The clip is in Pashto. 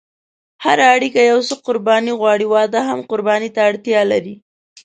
هره اړیکه یو څه قرباني غواړي، واده هم قرباني ته اړتیا لري.